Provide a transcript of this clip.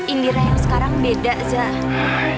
indira yang sekarang beda zah